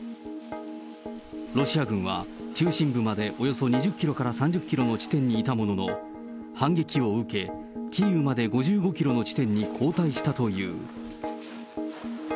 ロシア軍は、中心部までおよそ２０キロから３０キロの地点にいたものの、反撃を受け、キーウまで５５キロの地点にまで後退したという。